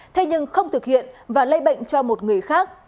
thế nhưng không thực hiện và lây bệnh cho một người khác